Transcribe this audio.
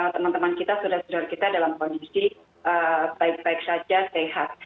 teman teman sudah sederhana dalam kondisi baik baik saja sehat